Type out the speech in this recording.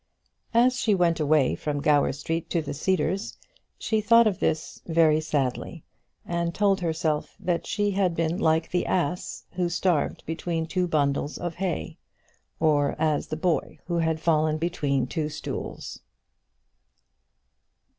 As she went away from Gower Street to the Cedars she thought of this very sadly, and told herself that she had been like the ass who starved between two bundles of hay, or as the boy who had fallen between two stools.